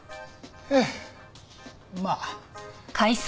ええまあ。